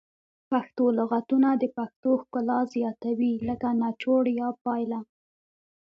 پښتو لغتونه د پښتو ښکلا زیاتوي لکه نچوړ یا پایله